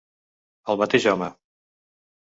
El mateix home.